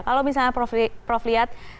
kalau misalnya prof lihat